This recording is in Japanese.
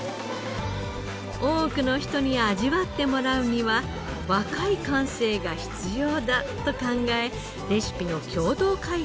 多くの人に味わってもらうには若い感性が必要だと考えレシピの共同開発をしてきたのです。